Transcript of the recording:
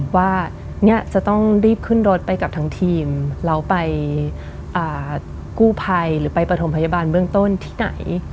ว่าเนี่ยจะต้องรีบขึ้นรถไปกับทางทีมแล้วไปกู้ภัยหรือไปประถมพยาบาลเบื้องต้นที่ไหน